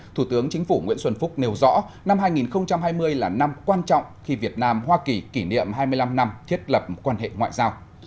thủ tướng chính phủ nguyễn xuân phúc nêu rõ năm hai nghìn hai mươi là năm quan trọng khi việt nam hoa kỳ kỷ niệm hai mươi năm năm thiết lập quan hệ ngoại giao